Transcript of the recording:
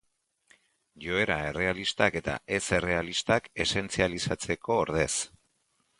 Joera errealistak eta ez-errealistak esentzializatzeko ordez.